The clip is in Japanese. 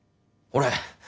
俺。